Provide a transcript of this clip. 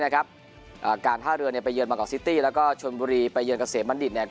การท่าเรือไปเยือนมากอกซิติและชนบุรีไปเยือนเกษตรบัณฑิต